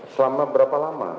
selama berapa lama